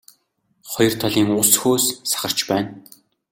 Хоёр талын ус хөөс сахарч байна.